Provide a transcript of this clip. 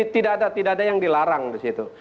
tidak ada yang dilarang disitu